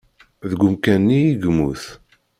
Deg umkan-nni i yemmut.